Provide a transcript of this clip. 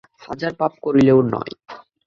হাজার পাপ করিলেও নয়।